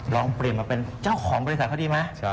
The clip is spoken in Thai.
ลองเปลี่ยนมาเป็นเจ้าของบริษัทเขาดีไหม